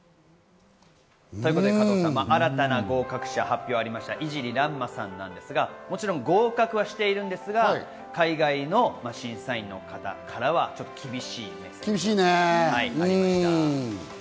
加藤さん、新たな合格者の発表がありました井尻翼馬さんですが、もちろん合格はしているんですが、海外の審査員の方からは厳しいメッセージがありました。